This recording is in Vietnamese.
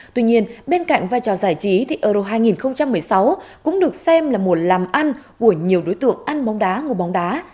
tuy nhiên bên cạnh vai trò giải trí thì euro hai nghìn một mươi sáu cũng được xem là một làm ăn của nhiều đối tượng ăn bóng đá ngô bóng đá